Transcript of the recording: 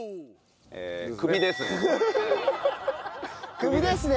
クビですね。